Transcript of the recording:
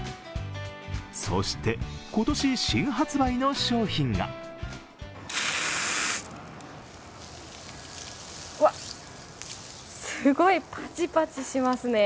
そして、今年新発売の商品がうわ、すごいパチパチしますね。